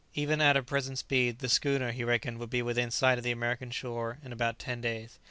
Even at her present speed, the schooner, he reckoned, would be within sight of the American shore in about ten days.